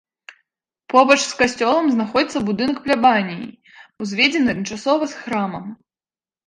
Побач з касцёлам знаходзіцца будынак плябаніі, узведзены адначасова з храмам.